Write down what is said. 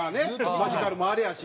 マヂカルもあれやし。